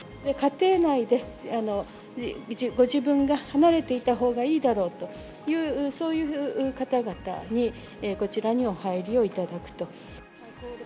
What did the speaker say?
家庭内で、ご自分が離れていたほうがいいだろうという、そういう方々にこちらにお入りをいただくと。